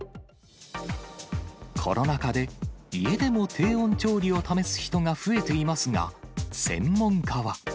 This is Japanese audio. コロナ禍で家でも低温調理を試す人が増えていますが、専門家は。